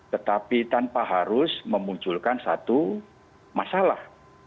tetapi tanpa harus memunculkan satu masalah